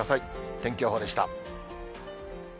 天気予報でした。